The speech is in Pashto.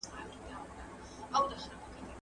موږ باید د پوښتنو په ډول پوه سو.